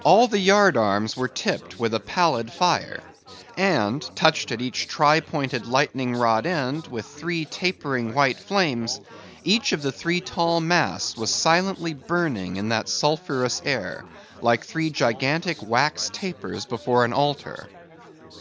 All the yard arms were tipped with a pallid fire; and touched at each tri pointed lightning rod end with three tapering white flames, each of the three tall masts was silently burning in that sulphurous air, like three gigantic wax tapers before an altar.